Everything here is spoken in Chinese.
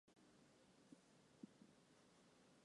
奥尔特河畔圣皮耶尔人口变化图示